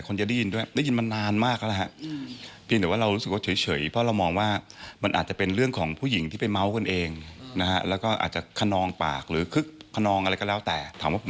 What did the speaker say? คุณกัญชัยว่ายังไงนะครับ